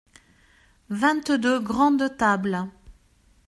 Vingt-deux grandes tables.